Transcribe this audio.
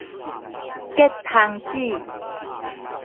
結蟲子